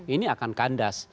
ini akan kandas